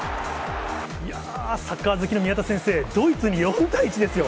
いやー、サッカー好きの宮田先生、ドイツに４対１ですよ。